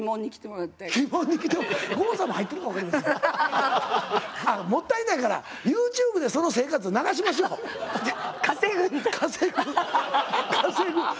もったいないからＹｏｕＴｕｂｅでその生活流しましょう。稼ぐんだ？